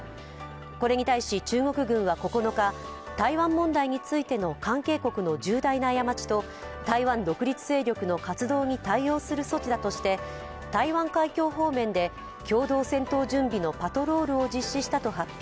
これに対し中国軍は９日、台湾問題についての関係国の重大な過ちと台湾独立勢力の活動に対応する措置だとして台湾海峡方面で共同戦闘準備のパトロールを実施したと発表。